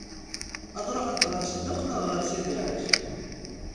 Ad ṛuḥent ɣer Sedduq neɣ ɣer Sidi Ɛic?